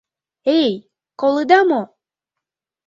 Эй, колыда мо?